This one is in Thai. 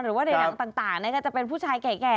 หรือว่าในหนังต่างก็จะเป็นผู้ชายแก่